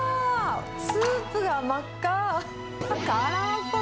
スープが真っ赤。